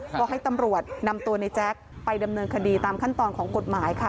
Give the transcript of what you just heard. ก็ให้ตำรวจนำตัวในแจ๊คไปดำเนินคดีตามขั้นตอนของกฎหมายค่ะ